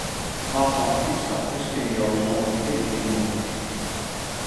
Watfoar útstapkes kinne jo ús oanriede hjir yn 'e omkriten?